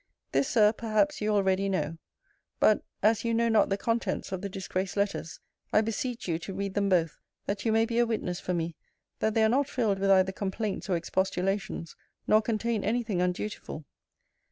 This, Sir, perhaps you already know: but, as you know not the contents of the disgraced letters, I beseech you to read them both, that you may be a witness for me, that they are not filled with either complaints or expostulations, nor contain any thing undutiful.